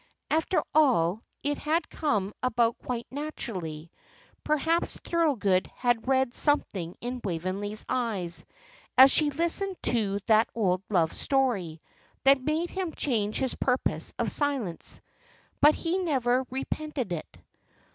After all, it had come about quite naturally. Perhaps Thorold had read something in Waveney's eyes, as she listened to that old love story, that made him change his purpose of silence. But he never repented it.